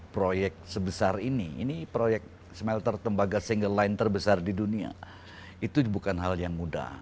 proyek sebesar ini ini proyek smelter tembaga single line terbesar di dunia itu bukan hal yang mudah